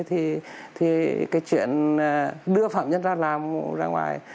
thì cái chuyện đưa phạm nhân ra làm ra ngoài